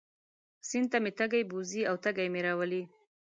سیند ته مې تږی بوځي او تږی مې راولي.